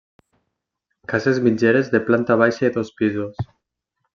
Cases mitgeres de planta baixa i dos pisos.